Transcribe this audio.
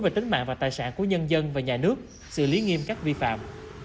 về tính mạng và tài sản của nhân dân và nhà nước xử lý nghiêm các vi phạm